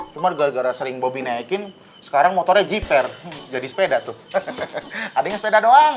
cuma gara gara sering bobby naikin sekarang motornya jiper jadi sepeda tuh adanya sepeda doang